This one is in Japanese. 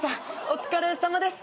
お疲れさまです。